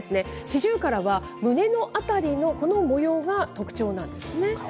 シジュウカラは胸の辺りのこの模かわいいんですよね。